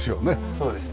そうですね。